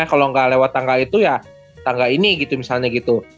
kalau nggak lewat tangga itu ya tangga ini gitu misalnya gitu